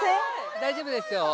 大丈夫ですよ。